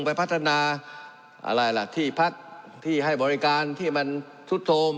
ไปพัฒนาอะไรล่ะที่พักที่ให้บริการที่มันสุดโทม